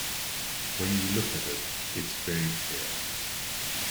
When you look at it, it's very clear.